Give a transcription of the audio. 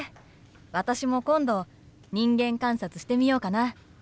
私も今度人間観察してみようかな。